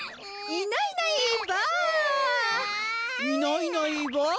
いないいないばあ！